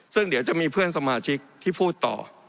ซึ่งเดี๋ยวจะมีเพื่อนสมาชิกที่พูดต่อ